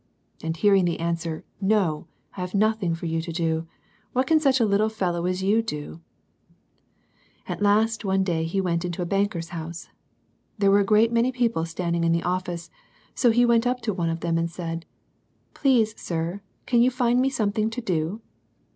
and hearing the answer, "No: I have nothing for you to doj what can such a little fellow as you do ?" At last one day he went into a banker's house. There were a great many people standing in the office, so he went up to one of them and said, "Please, sir, can you find me something to do?"